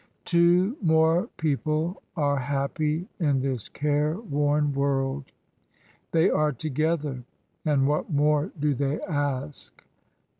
Two more people are happy in this care worn world; they are together, and what more do they ask!